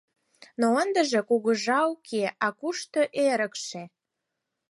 Но ындыже кугыжа уке, а кушто эрыкше?